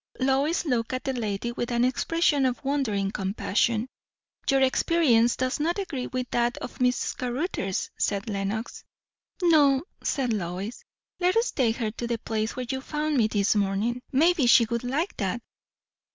Lois looked at the lady with an expression of wondering compassion. "Your experience does not agree with that of Miss Caruthers?" said Lenox. "No," said Lois. "Let us take her to the place where you found me this morning; maybe she would like that."